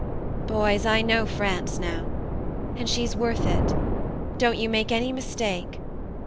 "Boys I know France now and she's worth it! Don't you make any mistake